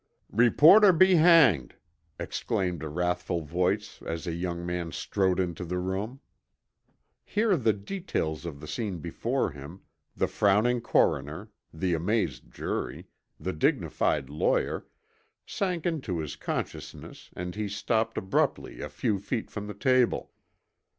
"Reporter be hanged!" exclaimed a wrathful voice, as a young man strode into the room. Here the details of the scene before him, the frowning coroner, the amazed jury, the dignified lawyer, sank into his consciousness and he stopped abruptly a few feet from the table.